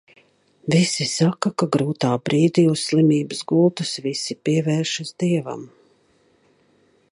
Visi saka, ka grūtā brīdī, uz slimības gultas visi pievēršas Dievam.